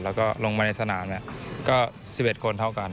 แล้วก็ลงมาในสนามก็๑๑คนเท่ากัน